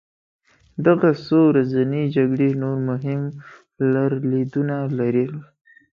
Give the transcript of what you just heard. دغه څو ورځنۍ جګړې نور مهم لرلېدونه لرل.